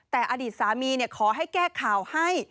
แต่อดีตสามีขอให้แก้ข่าวให้